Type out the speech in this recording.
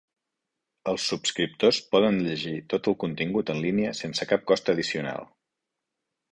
Els subscriptors poden llegir tot el contingut en línia sense cap cost addicional.